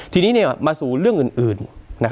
ทีนี้มาสู่เรื่องอื่น